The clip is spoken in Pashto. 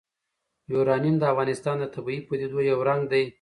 یورانیم د افغانستان د طبیعي پدیدو یو رنګ دی.